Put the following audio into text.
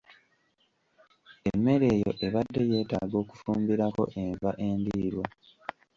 Emmere eyo ebadde yetaaga okufumbirako enva endiirwa.